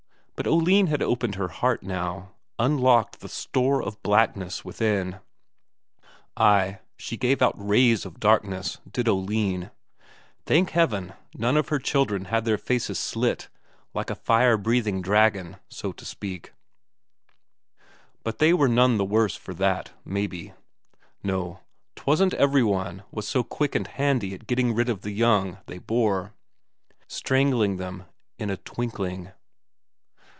But Oline had opened her heart now, unlocked the store of blackness within; ay, she gave out rays of darkness, did Oline. Thank Heaven, none of her children had their faces slit like a fire breathing dragon, so to speak; but they were none the worse for that, maybe. No, 'twasn't every one was so quick and handy at getting rid of the young they bore strangling them in a twinkling....